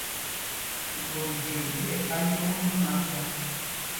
Iɓɔtzyel í ɛsá mikɔŋ tí ŋguma pyat.